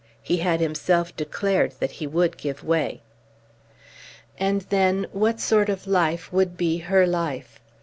He had himself declared that he would give way. And then, what sort of life would be her life?